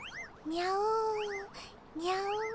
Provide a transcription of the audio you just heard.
にゃお。